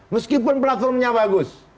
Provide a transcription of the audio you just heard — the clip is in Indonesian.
meskipun platformnya bagus